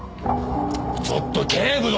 ちょっと警部殿！